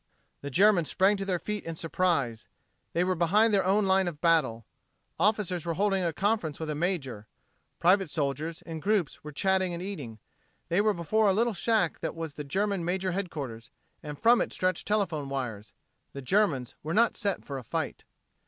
The Germans sprang to their feet in surprize. They were behind their own line of battle. Officers were holding a conference with a major. Private soldiers, in groups, were chatting and eating. They were before a little shack that was the German major's headquarters, and from it stretched telephone wires. The Germans were not set for a fight.